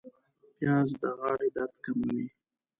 پیاز د غاړې درد کموي